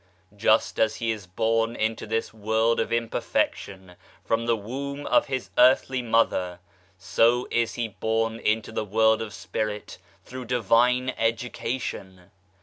Just as he is born into this world of imperfection from the womb of his earthly mother, so is he born into the world of spirit through divine education.